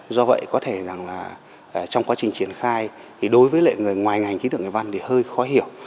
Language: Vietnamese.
do vậy có thể trong quá trình triển khai đối với người ngoài ngành khí tượng thủy văn thì hơi khó hiểu